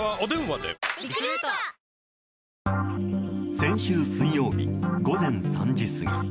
先週水曜日、午前３時過ぎ。